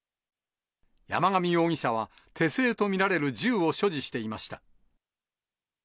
山上容疑者は、手製と見られる銃を所持していました。